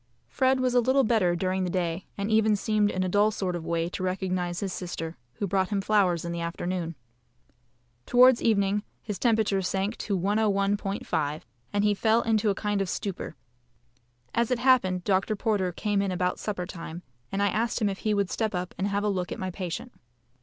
Fred was a little better during the day, and even seemed in a dull sort of way to recognise his sister, who brought him flowers in the afternoon. Towards evening his temperature sank to 101.5@, and he fell into a kind of stupor. As it happened, Dr. Porter came in about supper time, and I asked him if he would step up and have a look at my patient.